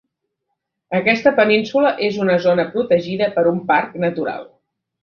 Aquesta península és una zona protegida per un Parc Natural.